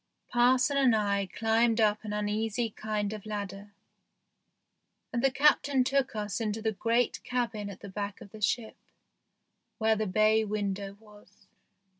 Parson and I climbed up an uneasy kind of ladder, and the Captain took us into the great cabin at the back of the ship, where the bay window was.